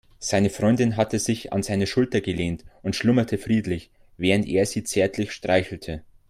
Seine Freundin hatte sich an seine Schulter gelehnt und schlummerte friedlich, während er sie zärtlich streichelte.